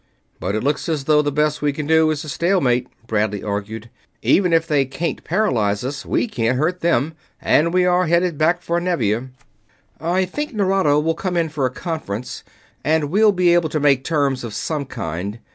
"But it looks as though the best we can do is a stalemate," Bradley argued. "Even if they can't paralyze us, we can't hurt them, and we are heading back for Nevia." "I think Nerado will come in for a conference, and we'll be able to make terms of some kind.